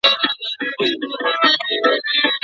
کلالۍ بې خټي نه کېږي.